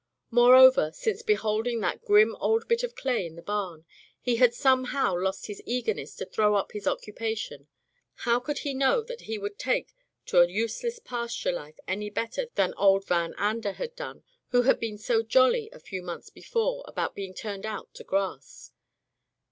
Moreover, since beholding that grim old bit of clay in the barn, he had somehow lost his eagerness to throw up his occupation. How could he know that he would take to a useless pasture life any better than old Van Digitized by LjOOQ IC Turned Out to Grass Ander had done, who had been so jolly a few months before about being turned out to grass